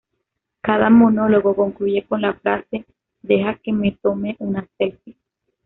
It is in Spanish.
Cada monólogo concluye con la frase "deja que me tome una "selfie"".